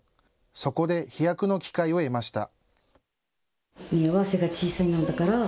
そこで飛躍の機会を得ました。